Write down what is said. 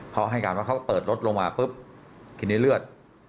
เขาให้การว่าเขาก็เปิดรถลงมาปุ๊บทีนี้เลือด